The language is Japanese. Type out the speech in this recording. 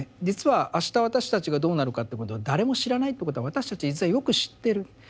実は「あした私たちがどうなるかということは誰も知らない」ってことは私たち実はよく知ってる。